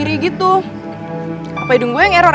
tak ada ada kesempatan undang undang syam